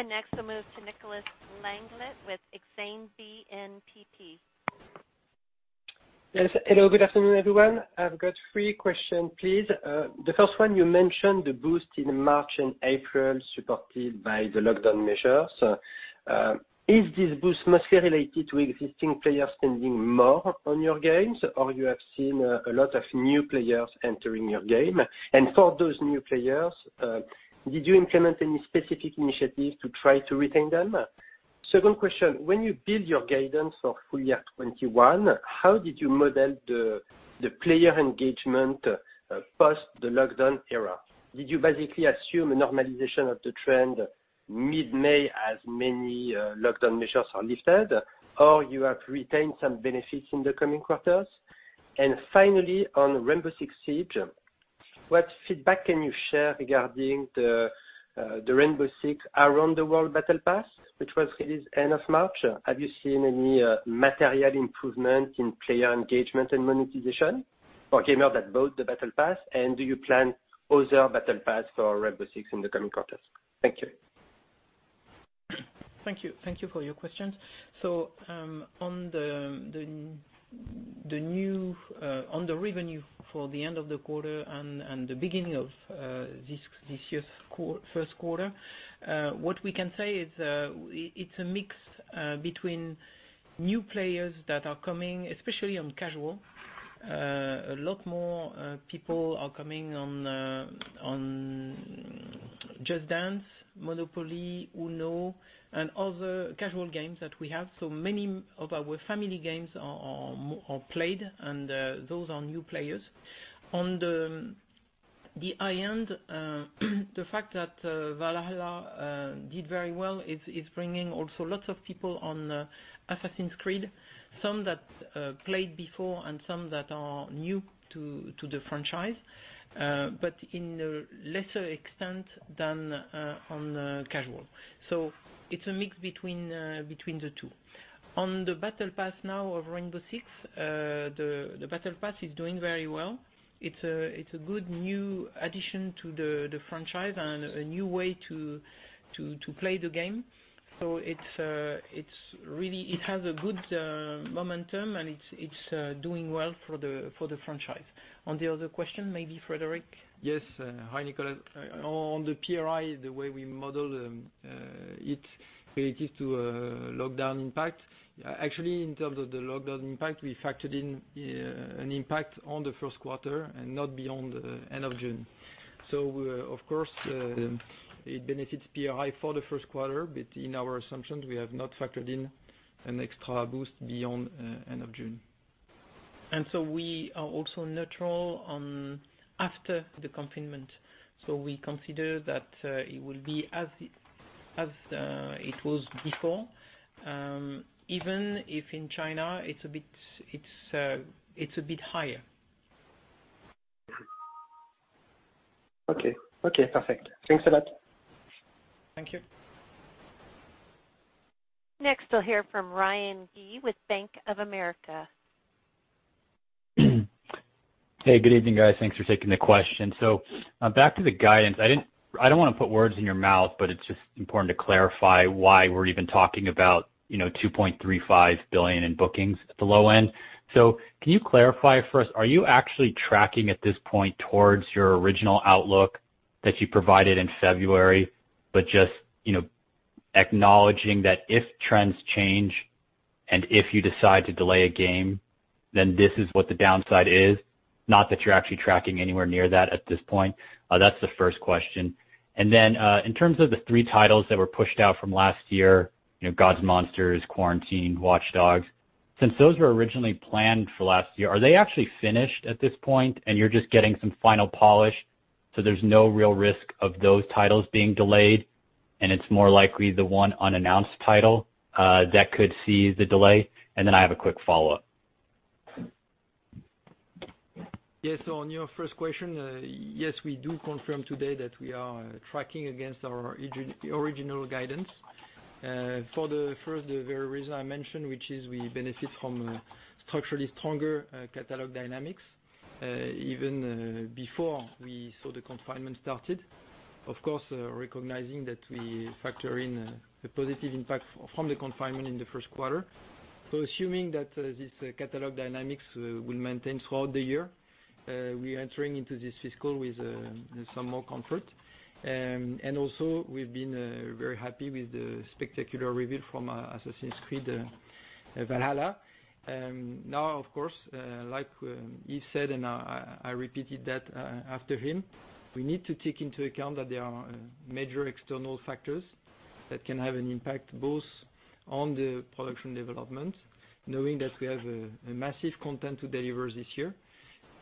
Next we'll move to Nicolas Langla with Exane BNP. Yes. Hello. Good afternoon, everyone. I've got three question, please. The first one, you mentioned the boost in March and April supported by the lockdown measures. Is this boost mostly related to existing players spending more on your games, or you have seen a lot of new players entering your game? For those new players, did you implement any specific initiatives to try to retain them? Second question, when you build your guidance for full year 2021, how did you model the player engagement post the lockdown era? Did you basically assume a normalization of the trend mid-May as many lockdown measures are lifted, or you have retained some benefits in the coming quarters? Finally, on Rainbow Six Siege, what feedback can you share regarding the Rainbow Six Around The World Battle Pass, which was released end of March? Have you seen any material improvement in player engagement and monetization or came out at both the battle pass? Do you plan other battle pass for Rainbow Six in the coming quarters? Thank you. Thank you for your questions. On the revenue for the end of the quarter and the beginning of this year's first quarter, what we can say is it's a mix between new players that are coming, especially on casual. A lot more people are coming on Just Dance, Monopoly, UNO, and other casual games that we have. Many of our family games are played, and those are new players. On the high-end, the fact that Valhalla did very well is bringing also lots of people on Assassin's Creed, some that played before and some that are new to the franchise, but in a lesser extent than on casual. It's a mix between the two. On the battle pass now of Rainbow Six, the battle pass is doing very well. It's a good new addition to the franchise and a new way to play the game. It has a good momentum, and it's doing well for the franchise. On the other question, maybe Frédérick? Yes. Hi, Nicolas. On the PRI, the way we model it related to lockdown impact. Actually, in terms of the lockdown impact, we factored in an impact on the first quarter and not beyond the end of June. Of course, it benefits PRI for the first quarter, but in our assumptions, we have not factored in an extra boost beyond end of June. We are also neutral on after the confinement. We consider that it will be as it was before, even if in China it's a bit higher. Okay. Perfect. Thanks a lot. Thank you. Next, we'll hear from Ryan Gee with Bank of America. Hey, good evening, guys. Thanks for taking the question. Back to the guidance. I don't want to put words in your mouth, but it's just important to clarify why we're even talking about 2.35 billion in bookings at the low end. Can you clarify for us, are you actually tracking at this point towards your original outlook that you provided in February, but just acknowledging that if trends change and if you decide to delay a game, then this is what the downside is, not that you're actually tracking anywhere near that at this point? That's the first question. In terms of the three titles that were pushed out from last year, Gods & Monsters, Quarantine, Watch Dogs, since those were originally planned for last year, are they actually finished at this point and you're just getting some final polish, so there's no real risk of those titles being delayed, and it's more likely the one unannounced title that could see the delay? I have a quick follow-up. Yes. On your first question, yes, we do confirm today that we are tracking against our original guidance. For the first, the very reason I mentioned, which is we benefit from structurally stronger catalog dynamics, even before we saw the confinement started. Of course, recognizing that we factor in the positive impact from the confinement in the first quarter. Assuming that this catalog dynamics will maintain throughout the year, we are entering into this fiscal with some more comfort. Also we've been very happy with the spectacular review from Assassin's Creed Valhalla. Now, of course, like Yves said, and I repeated that after him, we need to take into account that there are major external factors that can have an impact both on the production development, knowing that we have a massive content to deliver this year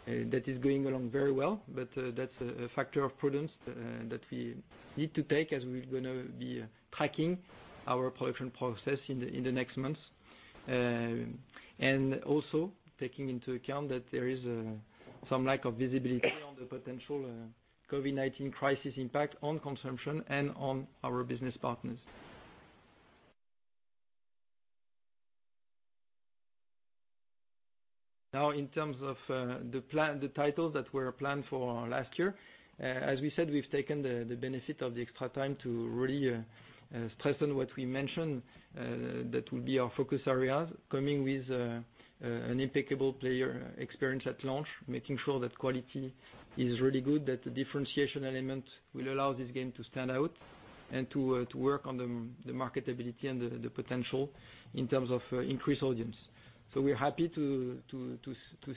that is going along very well. That's a factor of prudence that we need to take as we're going to be tracking our production process in the next months. Also taking into account that there is some lack of visibility on the potential COVID-19 crisis impact on consumption and on our business partners. In terms of the titles that were planned for last year, as we said, we've taken the benefit of the extra time to really stress on what we mentioned that will be our focus areas, coming with an impeccable player experience at launch, making sure that quality is really good, that the differentiation element will allow this game to stand out, and to work on the marketability and the potential in terms of increased audience. We're happy to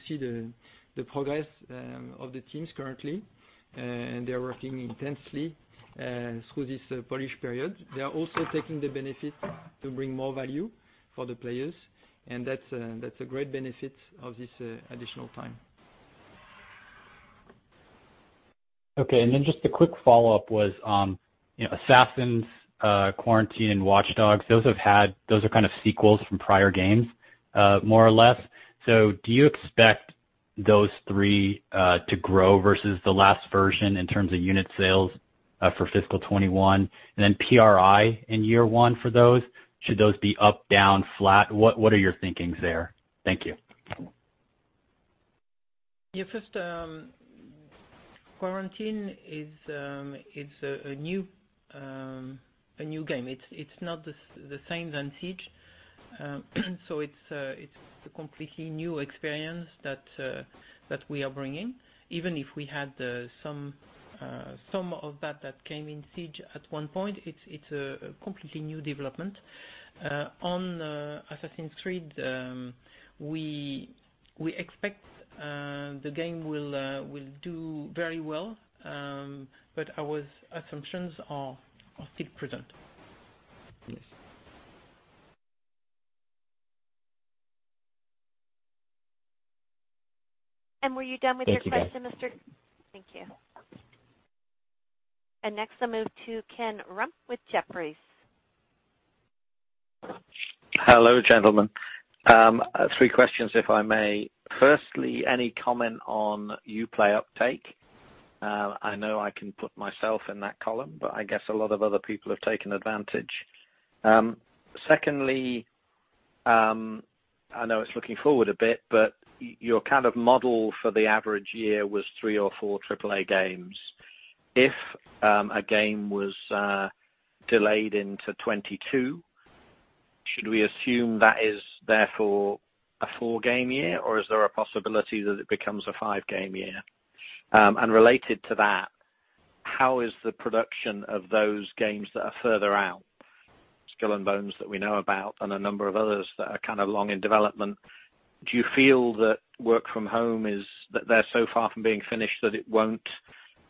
see the progress of the teams currently, and they are working intensely through this polish period. They are also taking the benefit to bring more value for the players, and that's a great benefit of this additional time. Okay, just a quick follow-up was, Assassin's, Quarantine, and Watch Dogs, those are kind of sequels from prior games, more or less. Do you expect those three to grow versus the last version in terms of unit sales for fiscal 2021? PRI in year one for those, should those be up, down, flat? What are your thinkings there? Thank you. First, "Quarantine" is a new game. It's not the same as "Siege." It's a completely new experience that we are bringing. Even if we had some of that came in "Siege" at one point, it's a completely new development. On "Assassin's Creed," we expect the game will do very well, our assumptions are still present. Yes. Were you done with your question, Mr.? Thank you. Thank you. Next, I'll move to Ken Rumph with Jefferies. Hello, gentlemen. Three questions, if I may. Firstly, any comment on Uplay uptake? I know I can put myself in that column. I guess a lot of other people have taken advantage. Secondly, I know it's looking forward a bit. Your kind of model for the average year was three or four AAA games. If a game was delayed into 2022, should we assume that is therefore a four-game year, or is there a possibility that it becomes a five-game year? Related to that, how is the production of those games that are further out? Skull and Bones that we know about, and a number of others that are kind of long in development, do you feel that work from home, that they're so far from being finished that it won't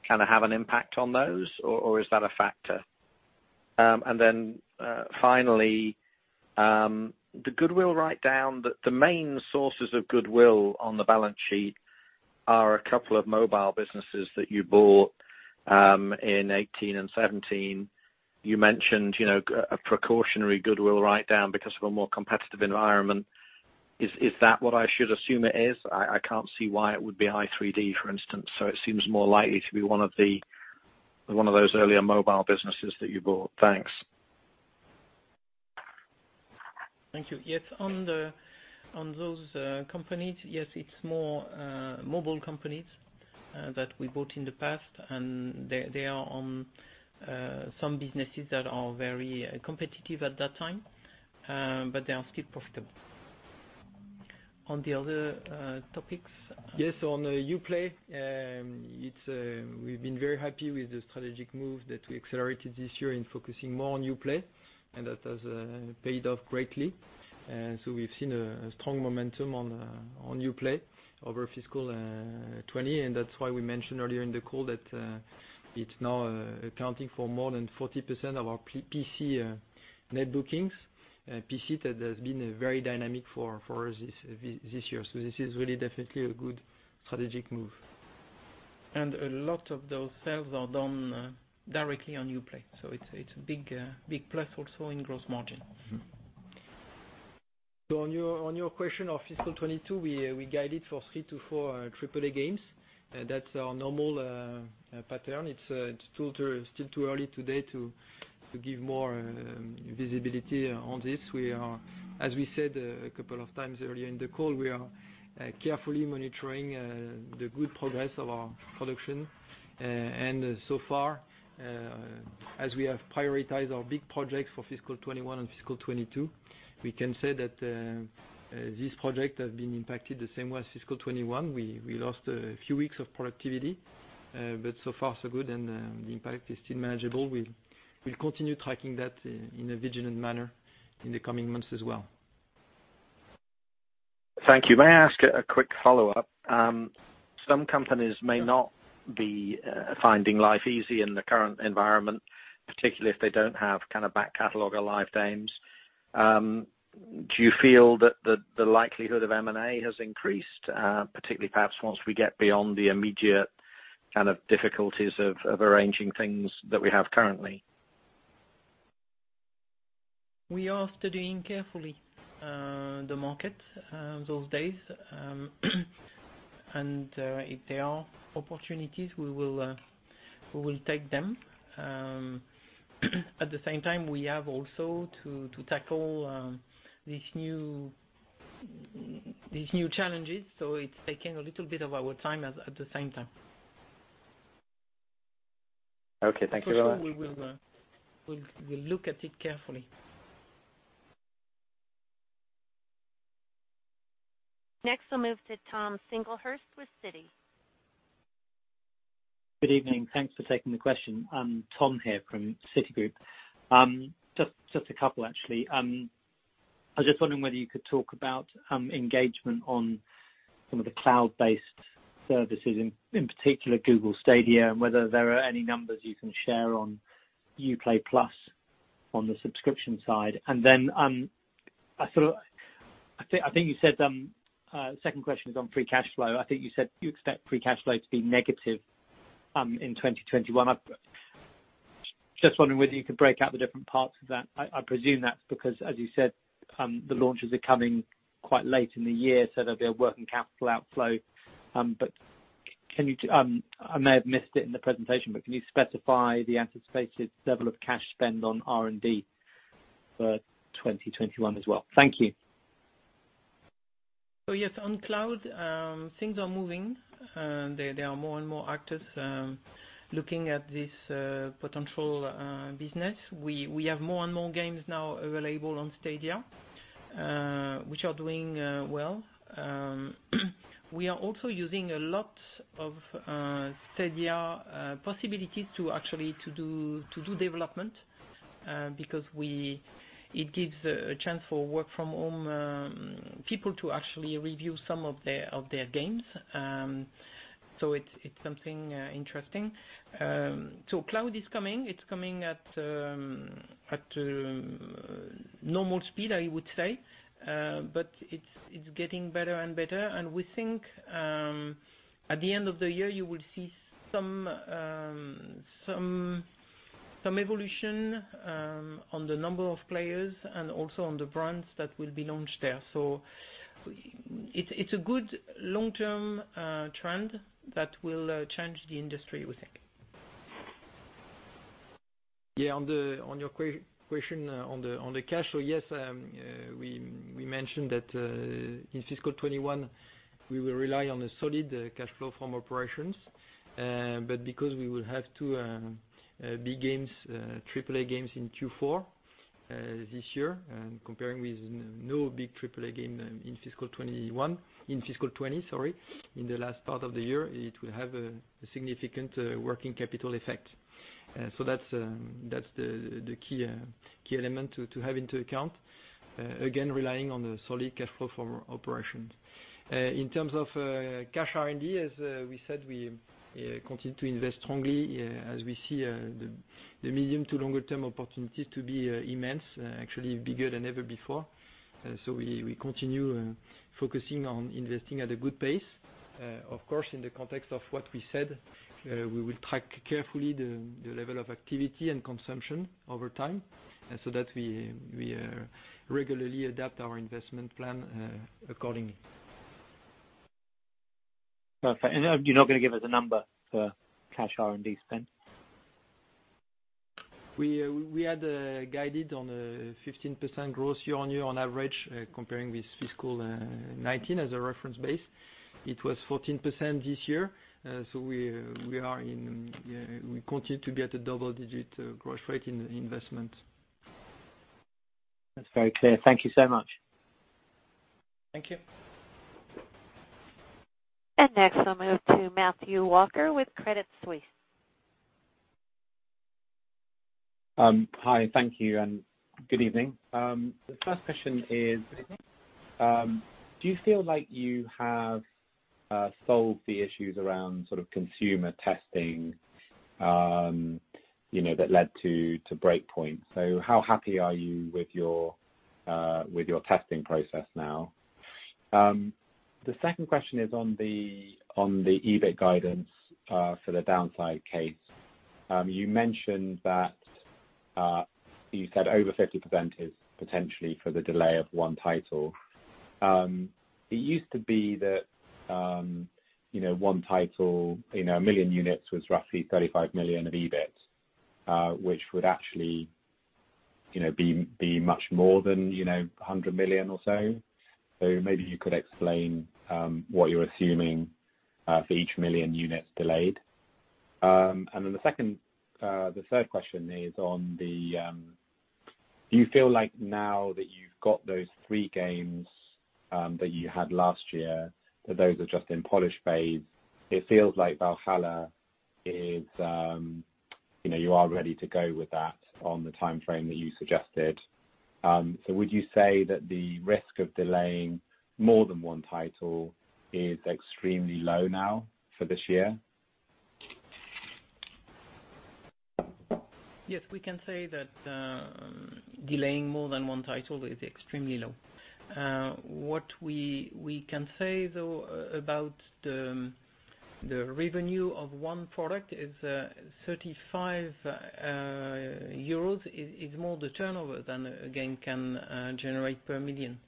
have an impact on those, or is that a factor? Finally, the goodwill write-down, the main sources of goodwill on the balance sheet are a couple of mobile businesses that you bought in 2018 and 2017. You mentioned a precautionary goodwill write-down because of a more competitive environment. Is that what I should assume it is? I can't see why it would be i3D, for instance, so it seems more likely to be one of those earlier mobile businesses that you bought. Thanks. Thank you. Yes, on those companies, yes, it's more mobile companies that we bought in the past, and they are on some businesses that are very competitive at that time, but they are still profitable. On the other topics. Yes, on Uplay, we've been very happy with the strategic move that we accelerated this year in focusing more on Uplay, and that has paid off greatly. We've seen a strong momentum on Uplay over fiscal 2020, and that's why we mentioned earlier in the call that it's now accounting for more than 40% of our PC net bookings. PC, that has been very dynamic for us this year. This is really definitely a good strategic move. A lot of those sales are done directly on Uplay, so it's a big plus also in gross margin. On your question of fiscal 2022, we guide it for three to four AAA games. That's our normal pattern. It's still too early today to give more visibility on this. As we said a couple of times earlier in the call, we are carefully monitoring the good progress of our production. So far, as we have prioritized our big projects for fiscal 2021 and fiscal 2022, we can say that this project has been impacted the same way as fiscal 2021. We lost a few weeks of productivity. So far so good, and the impact is still manageable. We'll continue tracking that in a vigilant manner in the coming months as well. Thank you. May I ask a quick follow-up? Some companies may not be finding life easy in the current environment, particularly if they don't have kind of back catalog or live games. Do you feel that the likelihood of M&A has increased, particularly perhaps once we get beyond the immediate kind of difficulties of arranging things that we have currently? We are studying carefully the market those days. If there are opportunities, we will take them. At the same time, we have also to tackle these new challenges, so it's taking a little bit of our time at the same time. Okay. Thank you very much. For sure we'll look at it carefully. Next, we'll move to Tom Singlehurst with Citi. Good evening. Thanks for taking the question. Tom here from Citi. Just a couple, actually. I was just wondering whether you could talk about engagement on some of the cloud-based services, in particular Google Stadia, and whether there are any numbers you can share on Uplay+ on the subscription side. Second question is on free cash flow. I think you said you expect free cash flow to be negative in 2021. Just wondering whether you could break out the different parts of that. I presume that's because, as you said, the launches are coming quite late in the year, so there'll be a working capital outflow. I may have missed it in the presentation, can you specify the anticipated level of cash spend on R&D for 2021 as well? Thank you. Yes, on cloud, things are moving. There are more and more actors looking at this potential business. We have more and more games now available on Stadia, which are doing well. We are also using a lot of Stadia possibilities to actually do development, because it gives a chance for work from home people to actually review some of their games. It's something interesting. Cloud is coming, it's coming at normal speed, I would say. It's getting better and better, and we think at the end of the year you will see some evolution on the number of players and also on the brands that will be launched there. It's a good long-term trend that will change the industry, we think. Yeah. On your question on the cash. Yes, we mentioned that in fiscal 2021 we will rely on a solid cash flow from operations. Because we will have two big games, AAA games in Q4 this year comparing with no big AAA game in fiscal 2020, in the last part of the year, it will have a significant working capital effect. That's the key element to have into account, again, relying on the solid cash flow from operations. In terms of cash R&D, as we said, we continue to invest strongly as we see the medium to longer term opportunities to be immense, actually bigger than ever before. We continue focusing on investing at a good pace. Of course, in the context of what we said, we will track carefully the level of activity and consumption over time, and so that we regularly adapt our investment plan accordingly. Perfect. You're not going to give us a number for cash R&D spend? We had guided on a 15% growth year-over-year on average, comparing with fiscal 2019 as a reference base. It was 14% this year. We continue to get a double-digit growth rate in investment. That's very clear. Thank you so much. Thank you. Next I'll move to Matthew Walker with Credit Suisse. Hi, thank you and good evening. The first question is: do you feel like you have solved the issues around consumer testing that led to Breakpoint? How happy are you with your testing process now? The second question is on the EBIT guidance for the downside case. You said over 50% is potentially for the delay of one title. It used to be that one title in a million units was roughly 35 million of EBIT, which would actually be much more than 100 million or so. Maybe you could explain what you're assuming for each million units delayed. The third question is do you feel like now that you've got those three games that you had last year, that those are just in polish phase? It feels like Valhalla, you are ready to go with that on the timeframe that you suggested. Would you say that the risk of delaying more than one title is extremely low now for this year? Yes, we can say that delaying more than one title is extremely low. What we can say, though, about the revenue of one product is 35 euros, is more the turnover than a game can generate per million.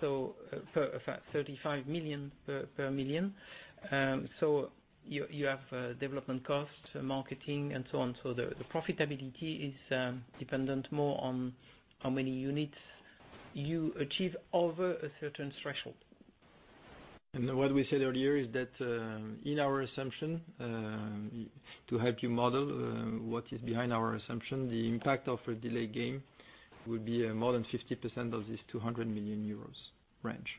For 35 million per million. You have development costs, marketing, and so on. The profitability is dependent more on how many units you achieve over a certain threshold. What we said earlier is that, in our assumption, to help you model what is behind our assumption, the impact of a delayed game would be more than 50% of this 200 million euros range.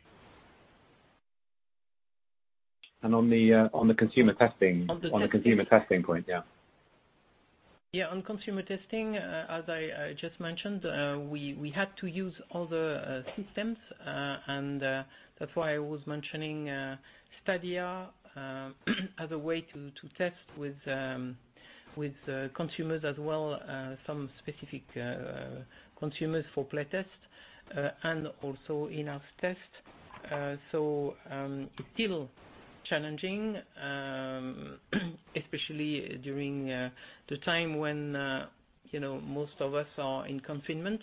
On the consumer testing point? Yeah. Yeah. On consumer testing, as I just mentioned, we had to use other systems, and that's why I was mentioning Stadia as a way to test with consumers as well, some specific consumers for play tests, and also in-house tests. It's still challenging, especially during the time when most of us are in confinement.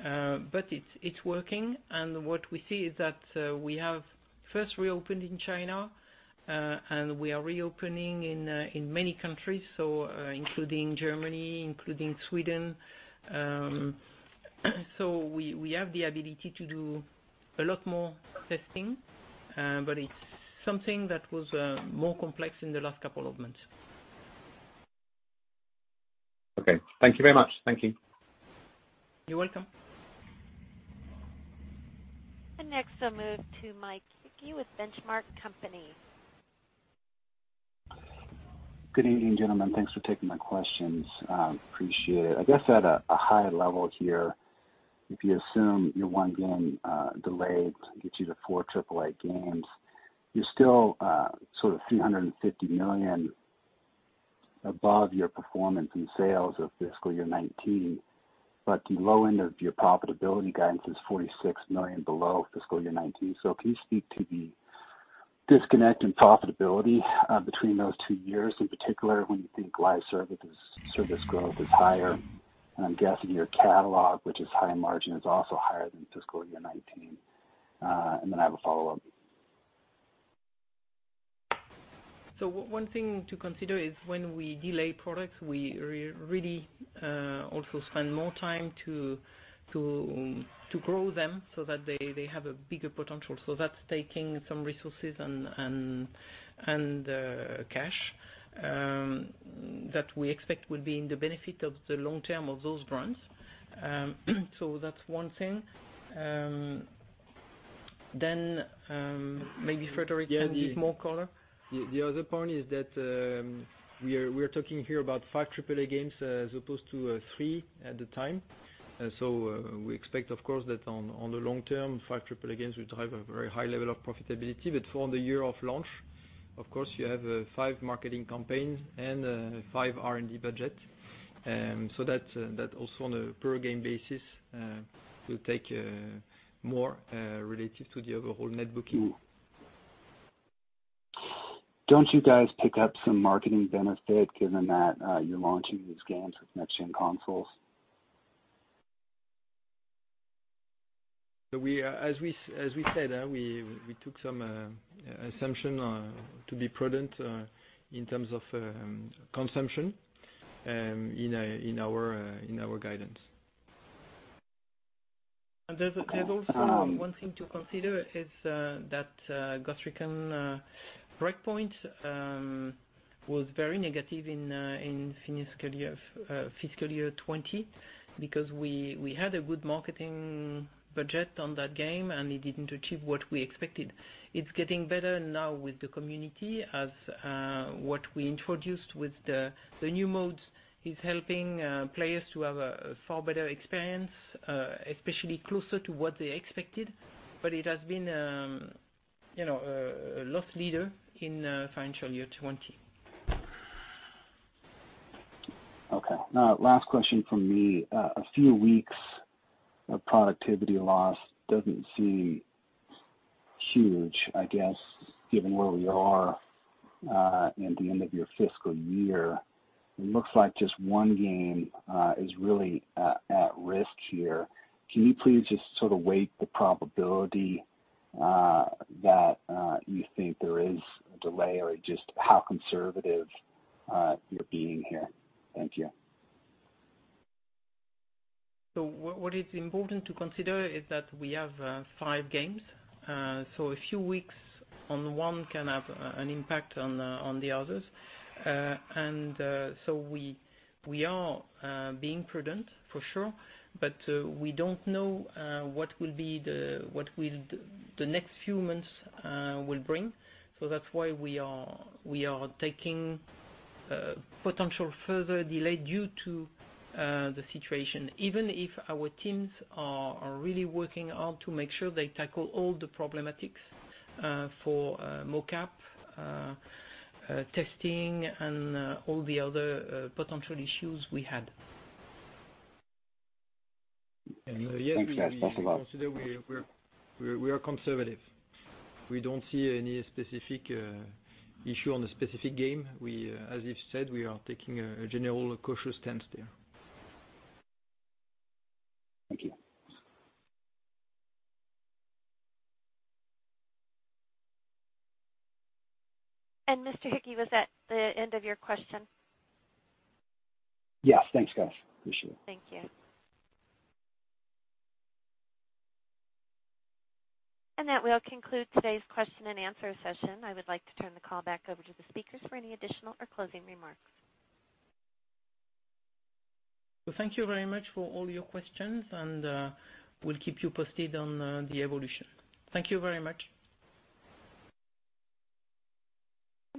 It's working, and what we see is that we have first reopened in China, and we are reopening in many countries, including Germany, including Sweden. We have the ability to do a lot more testing, but it's something that was more complex in the last couple of months. Okay. Thank you very much. Thank you. You're welcome. Next, I'll move to Mike Hickey with Benchmark Company. Good evening, gentlemen. Thanks for taking my questions. Appreciate it. I guess at a high level here, if you assume your one game delayed gets you to four AAA games, you are still sort of 350 million above your performance in sales of fiscal year 2019. The low end of your profitability guidance is 46 million below fiscal year 2019. Can you speak to the disconnect in profitability between those two years, in particular when you think live service growth is higher? I am guessing your catalog, which is high margin, is also higher than fiscal year 2019. I have a follow-up. One thing to consider is when we delay products, we really also spend more time to grow them so that they have a bigger potential. That's taking some resources and cash that we expect will be in the benefit of the long term of those brands. That's one thing. Maybe Frédérick can give more color. The other point is that we're talking here about five AAA games as opposed to three at the time. We expect, of course, that on the long term, five AAA games will drive a very high level of profitability. But for the year of launch, of course, you have five marketing campaigns and five R&D budget. That also on a per game basis will take more relative to the overall net booking. Don't you guys pick up some marketing benefit given that you're launching these games with next-gen consoles? As we said, we took some assumption to be prudent in terms of consumption in our guidance. There's also one thing to consider, is that Ghost Recon Breakpoint was very negative in fiscal year 2020 because we had a good marketing budget on that game, and it didn't achieve what we expected. It's getting better now with the community as what we introduced with the new modes is helping players to have a far better experience, especially closer to what they expected. It has been a loss leader in financial year 2020. Okay. Last question from me. A few weeks of productivity loss doesn't seem huge, I guess, given where we are in the end of your fiscal year. It looks like just one game is really at risk here. Can you please just sort of weight the probability that you think there is a delay, or just how conservative you're being here? Thank you. What is important to consider is that we have five games. A few weeks on one can have an impact on the others. We are being prudent, for sure, but we don't know what will the next few months will bring. That's why we are taking potential further delay due to the situation, even if our teams are really working hard to make sure they tackle all the problematics for mocap, testing, and all the other potential issues we had. Thanks, guys. Thanks a lot. We are conservative. We don't see any specific issue on a specific game. As Yves said, we are taking a general cautious stance there. Thank you. Mr. Hickey, was that the end of your question? Yes. Thanks, guys. Appreciate it. Thank you. That will conclude today's question and answer session. I would like to turn the call back over to the speakers for any additional or closing remarks. Thank you very much for all your questions, and we'll keep you posted on the evolution. Thank you very much.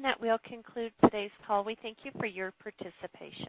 That will conclude today's call. We thank you for your participation.